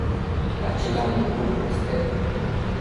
Cachita mënduc cueste